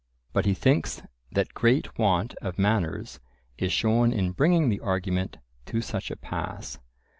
but he thinks that great want of manners is shown in bringing the argument to such a pass.